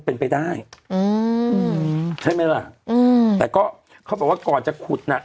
อืมใช่ไหมล่ะอืมแต่ก็เขาบอกว่าก่อนจะขุดน่ะ